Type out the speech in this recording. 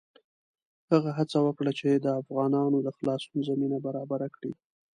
هغه هڅه وکړه چې د افغانانو د خلاصون زمینه برابره کړي.